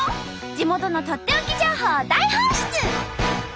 地元のとっておき情報を大放出！